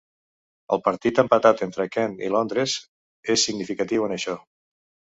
El partit empatat entre Kent i Londres és significatiu en això.